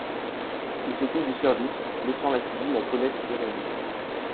Il s'occupe du service, laissant la cuisine à Colette et Rémy.